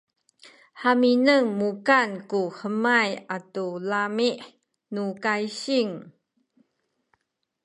haminen mukan ku hemay atu lami’ nu kaysing